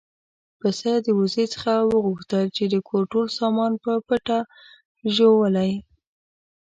پسه د وزې څخه وغوښتل چې د کور ټول سامان په پټه ژوولی.